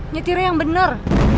nyetirnya yang bener